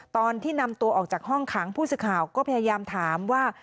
ตอนที่นำตัวออกจากห้องขังผู้สื่อข่าวก็พยายามถามว่า